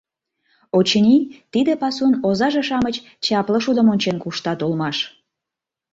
Очыни, тиде пасун озаже-шамыч чапле шудым ончен куштат улмаш.